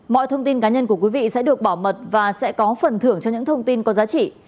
mọi thông tin cá nhân của quý vị sẽ được bảo mật và sẽ có phần thưởng cho những thông tin có giá trị